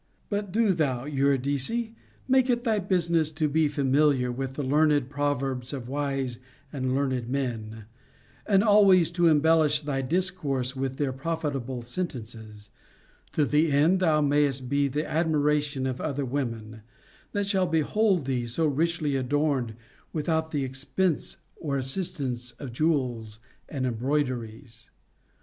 But do thou, Eurydice, make it thy business to be familiar with the learned proverbs of wise and learned men, and always to embellish thy dis course with their profitable sentences, to the end thou mayst be the admiration of other women, that shall behold thee so richly adorned without the expense or assistance of jewels or embroideries.